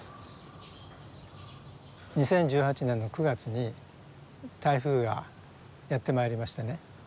２０１８年の９月に台風がやって参りましてね